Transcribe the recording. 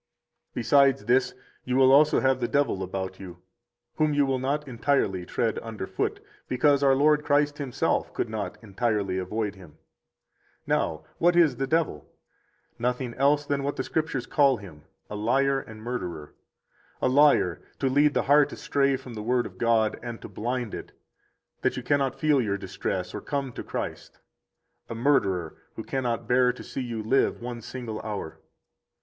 80 Besides this, you will also have the devil about you, whom you will not entirely tread under foot, because our Lord Christ Himself could not entirely avoid him. Now, what is the devil? 81 Nothing else than what the Scriptures call him, a liar and murderer. A liar, to lead the heart astray from the Word of God, and to blind it, that you cannot feel your distress or come to Christ. A murderer, who cannot bear to see you live one single hour.